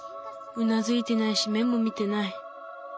うなずいてないし目も見てない。